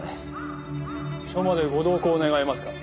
署までご同行願えますか？